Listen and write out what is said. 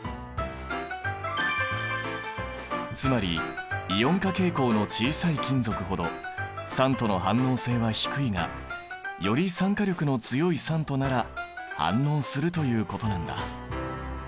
つまりイオン化傾向の小さい金属ほど酸との反応性は低いがより酸化力の強い酸となら反応するということなんだ。